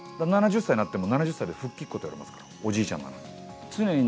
７０歳になっても、７０歳で復帰っ子って言われますから、おじいちゃんなのに。